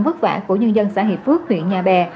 vất vả của nhân dân xã hiệp phước huyện nhà bè